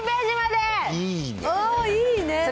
いいね。